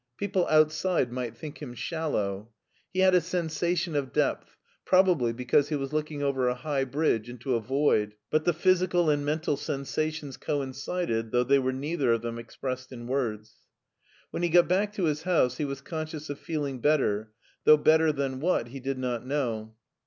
People outside might think him shallow. He had a sensation of depth, probably because he was looking over a high bridge into a void, but the physical and mental sensa tions coincided, though they were neither of them expressed in words. When he got back to his House he was conscious of feeling better, though better than what he did not know.